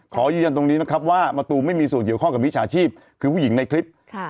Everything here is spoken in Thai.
ขอยืนยันตรงนี้นะครับว่ามะตูมไม่มีส่วนเกี่ยวข้องกับมิจฉาชีพคือผู้หญิงในคลิป